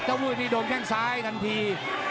ถ้าวุ้ยนี่โดนแข้งซ้ายทันที